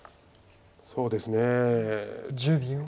そうですね。